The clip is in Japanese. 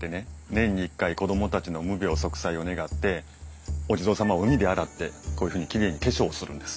年に１回子供たちの無病息災を願ってお地蔵様を海で洗ってこういうふうにきれいに化粧をするんです。